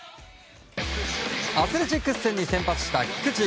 アスレチックス戦に先発した菊池。